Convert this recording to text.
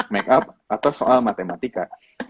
makeup atau soal matematika